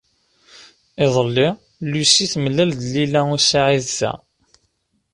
Iḍelli, Lucie temlal-d Lila u Saɛid da.